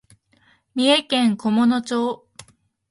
三重県菰野町